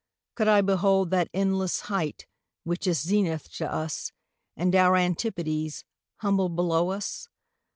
Could I behold that endlesse height which isZenith to us, and our Antipodes, Humbled below us?